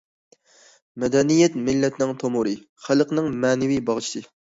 مەدەنىيەت مىللەتنىڭ تومۇرى، خەلقنىڭ مەنىۋى باغچىسى.